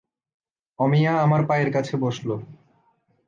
অমিয়া আমার পায়ের কাছে বসল।